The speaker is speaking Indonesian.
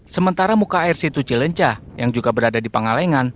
sementara muka air situ cilencah yang juga berada di pangalengan